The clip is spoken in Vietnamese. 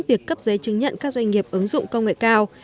việc cấp giấy chứng nhận các doanh nghiệp ứng dụng công nghệ cao